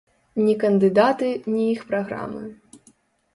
Ні кандыдаты, ні іх праграмы.